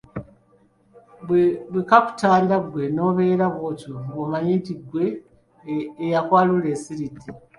Bwe kakutanda ggwe n’obeera bw’otyo ng’omanya nti ggwe eyakwalula esiridde.